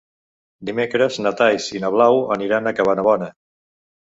Dimecres na Thaís i na Blau aniran a Cabanabona.